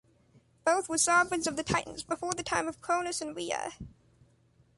Both were sovereigns of the Titans, before the time of Cronus and Rhea.